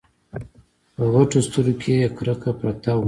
په غټو سترګو کې يې کرکه پرته وه.